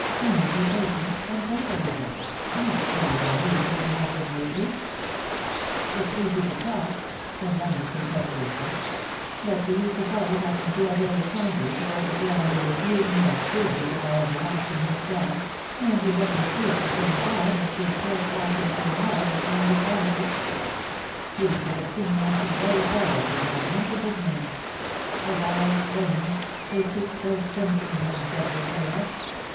Only be patient, and gentle witli her — not cold and rude_, as you have been lately .^^" It^s easy to talk/^ said Leonard, contemptu ously. " But do you suppose I can feel very kindly towards a girl who refused me as coolly as if I had been asking her to dance, and who let me see at the same time that she is still passionately in love with Angus Hamleigh. You should have seen how she blazed out at me when I mentioned his name — her eyes tlaming — her cheeks first crimson and then deadly pale.